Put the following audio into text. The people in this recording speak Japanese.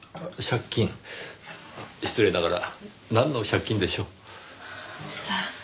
失礼ながらなんの借金でしょう？さあ。